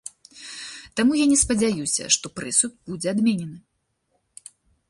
Таму я не спадзяюся, што прысуд будзе адменены.